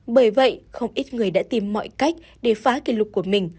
bởi vậy không ít người đã tìm mọi cách để phá kỷ lục của mình